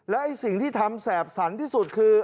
ไอ้สิ่งที่ทำแสบสันที่สุดคือ